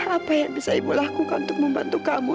apa yang bisa ibu lakukan untuk membantu kamu